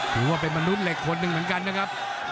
ถือว่าเป็นมนุษย์เหล็กคนหนึ่งเหมือนกันนะครับ